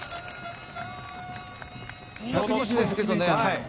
もう少しですけどね